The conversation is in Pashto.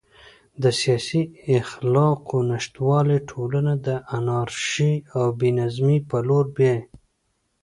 د سیاسي اخلاقو نشتوالی ټولنه د انارشي او بې نظمۍ په لور بیايي.